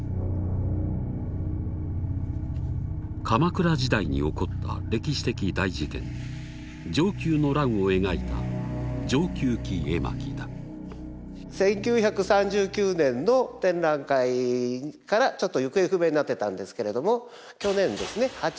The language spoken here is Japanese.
鎌倉時代に起こった歴史的大事件「承久の乱」を描いた１９３９年の展覧会からちょっと行方不明になってたんですけれども去年ですね